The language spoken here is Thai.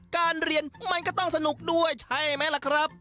การเรียนมันก็ต้องสนุกด้วยใช่ไหมล่ะครับ